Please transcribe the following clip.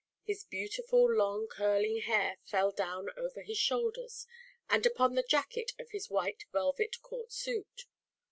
His beautiful long curling hair fell down over his shoulders, and upon the jacket of his white velvet Court Suit.